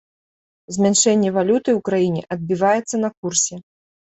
Змяншэнне валюты ў краіне адбіваецца на курсе.